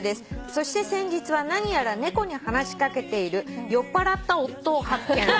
「そして先日は何やら猫に話し掛けている酔っぱらった夫を発見。